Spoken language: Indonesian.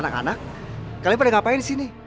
anak anak kalian pada ngapain disini